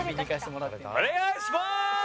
お願いします！